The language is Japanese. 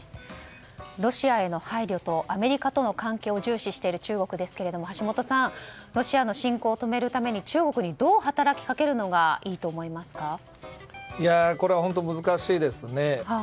ロシアへの配慮とアメリカとの関係を重視している中国ですけれども橋下さん、ロシアの侵攻を止めるために中国にどう働きかけるのがこれは本当に難しいですね。